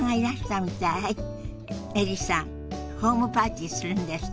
ホームパーティーするんですって。